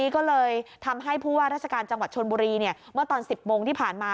การจังหวัดชนบุรีเนี่ยเมื่อตอน๑๐โมงที่ผ่านมา